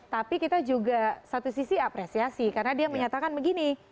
tapi kita juga satu sisi apresiasi karena dia menyatakan begini